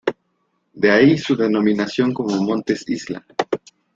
De ahí su denominación como montes-isla.